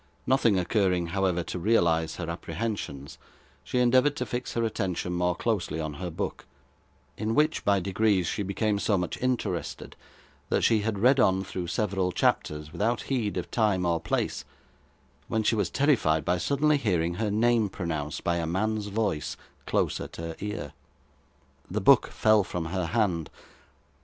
Nothing occurring, however, to realise her apprehensions, she endeavoured to fix her attention more closely on her book, in which by degrees she became so much interested, that she had read on through several chapters without heed of time or place, when she was terrified by suddenly hearing her name pronounced by a man's voice close at her ear. The book fell from her hand.